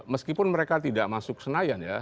meskipun mereka tidak masuk senayan ya